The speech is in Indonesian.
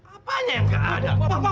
apanya nggak ada